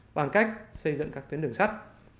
bằng cách xây dựng các tuyến đường sắt